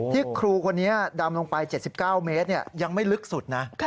ครูคนนี้ดำลงไป๗๙เมตรยังไม่ลึกสุดนะ